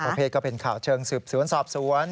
ประเภทก็เป็นข่าวเชิงสืบสวนสอบสวน